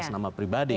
ya itu juga